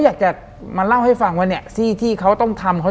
หลังจากนั้นเราไม่ได้คุยกันนะคะเดินเข้าบ้านอืม